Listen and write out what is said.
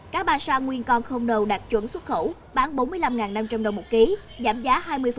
cá ba sa nguyên con không đầu đạt chuẩn xuất khẩu bán bốn mươi năm năm trăm linh đồng một ký giảm giá hai mươi